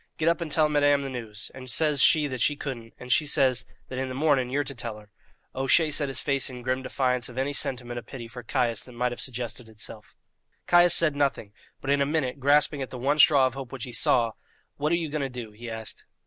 Get up and tell madame the news;' and says she that she couldn't, and she says that in the morning you're to tell her." O'Shea set his face in grim defiance of any sentiment of pity for Caius that might have suggested itself. Caius said nothing; but in a minute, grasping at the one straw of hope which he saw, "What are you going to do?" he asked.